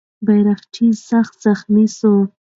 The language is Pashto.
بیرغچی سخت زخمي سو.